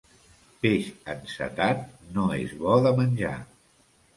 Peix encetat no és bo de menjar.